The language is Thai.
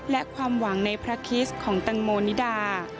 และความหวังในพระคิสต์ของแตงโมนิดา